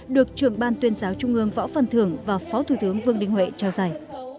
được trường ban tuyên giáo trung ương võ phân thường và phó thủ tướng vương đinh huệ trao giải